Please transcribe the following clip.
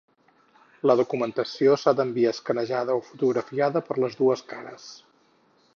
La documentació s'ha d'enviar escanejada o fotografiada per les dues cares.